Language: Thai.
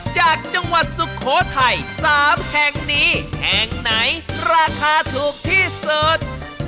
จากจังหวัดสุโขทัย๓แห่งนี้แห่งไหนราคาถูกที่สุด